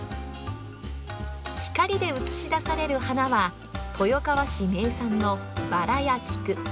光で映し出される花は豊川市名産のバラや菊。